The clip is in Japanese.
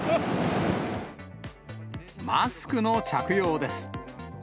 マスクの着用です。